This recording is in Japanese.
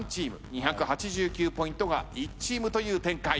２８９ポイントが１チームという展開。